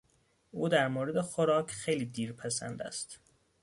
او در مورد خوراک خیلی دیر پسند است.